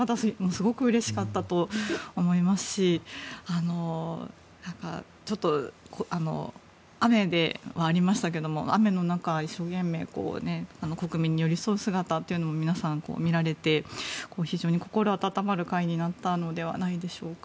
すごくうれしかったと思いますしちょっと雨ではありましたけど雨の中、一生懸命国民に寄り添う姿というのを皆さん、見られて非常に心温まる会になったのではないでしょうか。